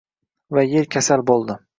Va Yer kasal bo’ldi